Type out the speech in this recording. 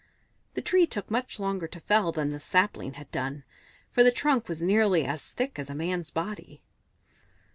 The tree took much longer to fell than the sapling had done, for the trunk was nearly as thick as a man's body.